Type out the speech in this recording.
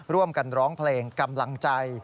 ร่วมกันร้องเพลงกำลังใจ